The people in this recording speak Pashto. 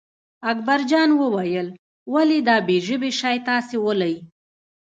اکبرجان وویل ولې دا بې ژبې شی تاسې ولئ.